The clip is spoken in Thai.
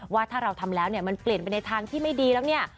ว่าถ้าเราทำแล้วเนี่ยมันเปลี่ยนไปในทางที่ไม่ดีแล้วเนี่ย